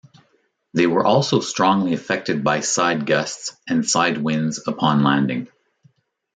They were also strongly affected by side gusts and side winds upon landing.